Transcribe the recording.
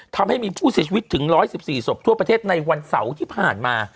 ทำให้มีผู้เสียชีวิตถึง๑๑๔ศพทั่วประเทศในวันเสาร์ที่ผ่านมา